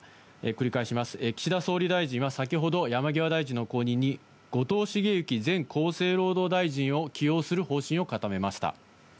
繰り返します、岸田総理大臣は先ほど山際大臣の後任に後藤茂之前厚生労働大臣を起用する方針を固めました。